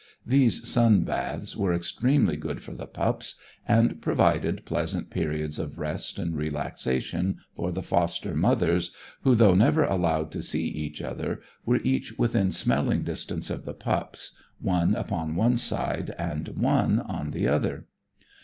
These sun baths were extremely good for the pups, and provided pleasant periods of rest and relaxation for the foster mothers, who, though never allowed to see each other, were each within smelling distance of the pups, one upon one side and one on the other.